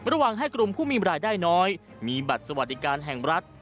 ระหว่างให้กลุ่มผู้มีรายได้น้อยมีบัตรสวัสดิการแห่งรัฐ